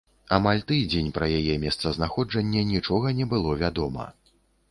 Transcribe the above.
Амаль тыдзень пра яе месцазнаходжанне нічога не было вядома.